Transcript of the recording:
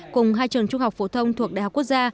cùng hai trường trung học phổ thông thuộc đại học quốc gia